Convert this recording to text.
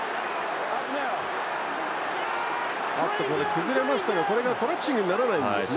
崩れましたがコラプシングにならないんですね。